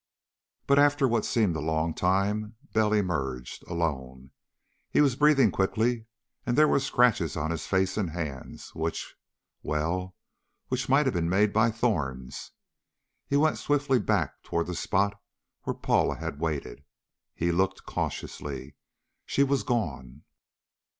But after what seemed a long time, Bell emerged. Alone. He was breathing quickly, and there were scratches on his face and hands which well, which might have been made by thorns. He went swiftly back toward the spot where Paula had waited. He looked cautiously. She was gone.